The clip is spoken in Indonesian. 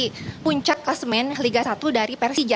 dan juga untuk pemuncak klasmen liga satu dari persija